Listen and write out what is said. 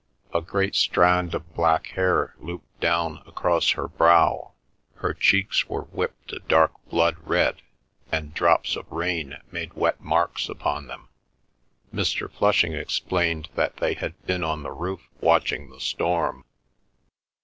A great strand of black hair looped down across her brow, her cheeks were whipped a dark blood red, and drops of rain made wet marks upon them. Mr. Flushing explained that they had been on the roof watching the storm.